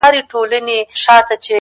اوس كرۍ ورځ زه شاعري كومه،